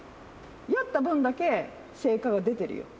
やった分だけ成果が出てるよ。